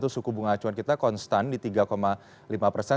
suku bunga acuan kita konstan di tiga lima persen